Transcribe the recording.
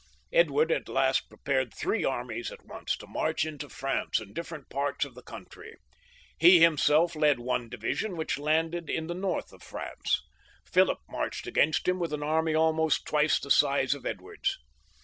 Edward at last prepared three armies at once to march into France in different parts of the country. He himself led one divi sion, which landed in the north of France, Philip marched against him with an army about twice the size of Edward's.